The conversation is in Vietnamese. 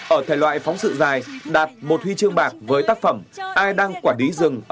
ở thể loại phóng sự dài đạt một huy chương bạc với tác phẩm ai đang quả đí rừng